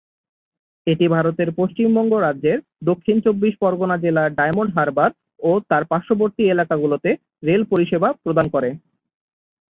এটি ভারতের পশ্চিমবঙ্গ রাজ্যের দক্ষিণ চব্বিশ পরগনা জেলার ডায়মন্ড হারবার ও তার পার্শ্ববর্তী এলাকাগুলিতে রেল পরিষেবা প্রদান করে।